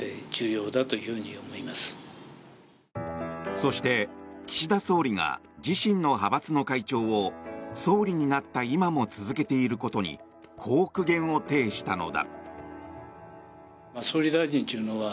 そして、岸田総理が自身の派閥の会長を総理になった今も続けていることにこう苦言を呈したのだ。